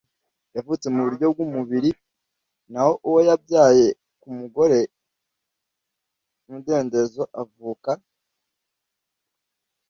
yavutse mu buryo bw umubiri c naho uwo yabyaye ku mugore u te umudendezo avuka